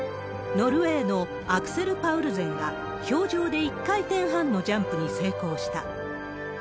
ノルウェーのアクセル・パウルゼンが、氷上で１回転半のジャンプに成功した。